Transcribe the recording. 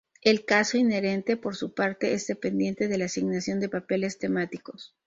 El caso inherente, por su parte, es dependiente de la asignación de papeles temáticos.